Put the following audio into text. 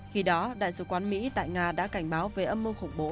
khi đó đại sứ quán mỹ tại nga đã cảnh báo về âm mưu khủng bố